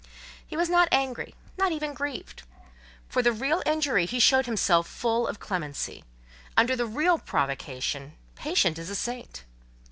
He was not angry—not even grieved. For the real injury he showed himself full of clemency; under the real provocation, patient as a saint.